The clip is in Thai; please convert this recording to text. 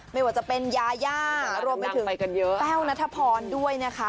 ไม่ว่าจะเป็นยาย่ารวมไปถึงแต้วนัทพรด้วยนะคะ